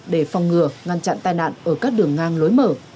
để phòng ngừa ngăn chặn tai nạn ở các đường ngang lối mở